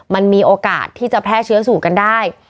มันมีโอกาสที่จะแพร่เชื้อสู่กันได้